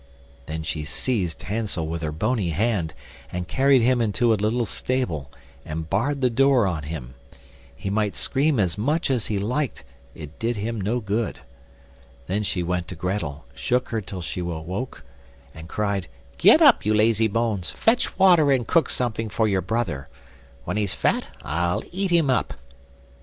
Then she seized Hansel with her bony hand and carried him into a little stable, and barred the door on him; he might scream as much as he liked, it did him no good. Then she went to Grettel, shook her till she awoke, and cried: "Get up, you lazy bones, fetch water and cook something for your brother. When he's fat I'll eat him up."